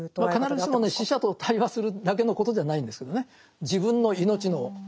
必ずしもね死者と対話するだけのことじゃないんですけどね。